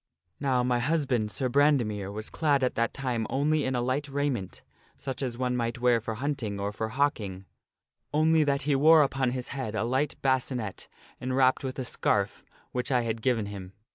" Now, my husband, Sir Brandemere, was clad at that time only in a light raiment such as one might wear for hunting or for hawking ; only that he wore upon his head a light bascinet enwrapped with a scarf which I had given him.